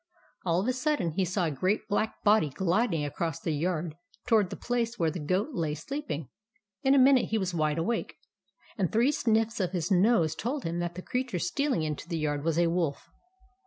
All of a sudden he saw a great black body gliding across the yard toward the place where the Goat lay sleeping. In a minute he was wide awake ; and three sniffs of his nose told him that the creature stealing into the yard was a wolf.